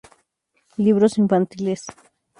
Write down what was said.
Libros infantiles